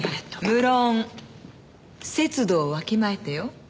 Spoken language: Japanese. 無論「節度をわきまえて」よ。